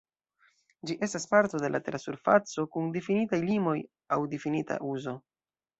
Ĝi estas parto de la tera surfaco, kun difinitaj limoj aŭ difinita uzo.